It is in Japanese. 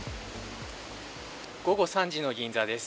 午後３時の銀座です。